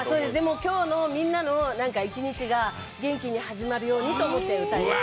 今日のみんなの一日が元気に始まるようにと思って歌いました。